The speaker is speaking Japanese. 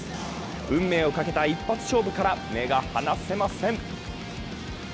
運命をかけた一発勝負から目が離せません。